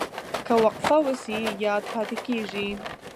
که وقفه وشي یاد پاتې کېږي.